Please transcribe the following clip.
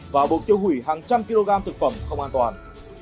và buộc tiêu hủy hàng trăm kg thực phẩm không an toàn